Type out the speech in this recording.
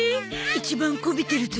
一番こびてるゾ。